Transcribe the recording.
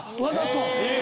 わざと。